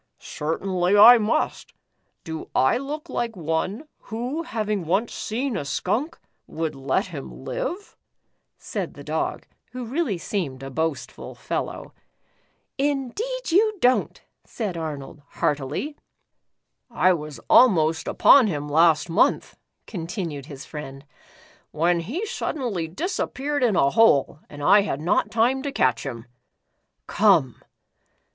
" Certainly, I must. Do I look like one, who having once seen a skunk, would let him live?" said the Dog, who really seemed a boastful fellow. " Indeed you don't," said Arnold, heartily. "I was almost upon him last month," contin ued his friend, "when he suddenly disappeared in a hole and I had not time to catch him. Come."